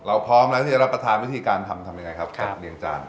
พร้อมแล้วที่จะรับประทานวิธีการทำทำยังไงครับกับเนียงจาน